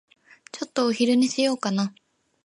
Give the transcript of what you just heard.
ちょっとお昼寝しようかな。